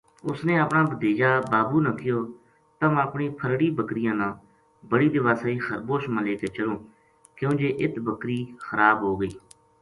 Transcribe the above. اس نے اپنا بھتیجا بابو نا کہیو تم اپنی پھرڑی بکریاں نا بڑی دیواسئی خربوش ما لے چلو کیوں جے اِت بکری خراب ہو گئی